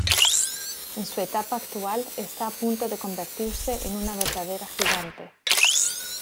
En su etapa actual está a punto de convertirse en una verdadera gigante.